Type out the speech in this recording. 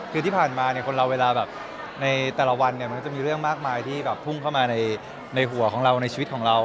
คือที่ผ่านมาเนี่ยคนเราเวลาแบบในแต่ละวันเนี่ยมันก็จะมีเรื่องมากมายที่แบบพุ่งเข้ามาในหัวของเราในชีวิตของเรา